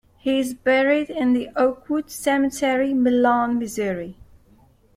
He is buried in the Oakwood Cemetery, Milan, Missouri.